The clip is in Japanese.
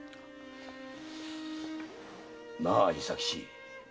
なあ伊佐吉。